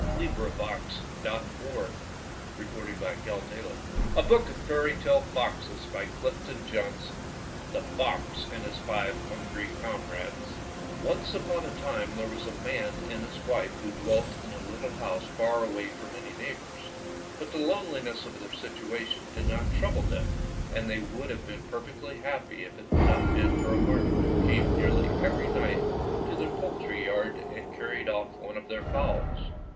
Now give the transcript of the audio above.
,,^:'■ r .UA1 THE FOX AND HIS FIVE HUNGRY COMRADES O NCE upon a time there was a man and his wife who dwelt in a little house far away from any neighbors. But the loneli ness of their situation did not trouble them, and they would have been perfectly happy if it had not been for a marten who came nearly every night to their poultry yard and carried off one of their fowls.